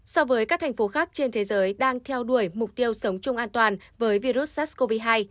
so với các thành phố khác trên thế giới đang theo đuổi mục tiêu sống chung an toàn với virus sars cov hai